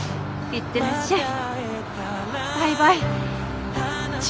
行ってらっしゃい！